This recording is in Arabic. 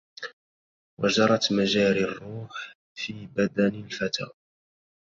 وجرت مجاري الروح في بدن الفتى